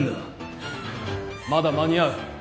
まだ間に合う。